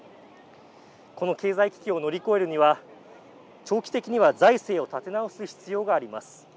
この経済危機を乗り越えるには長期的には財政を立て直す必要があります。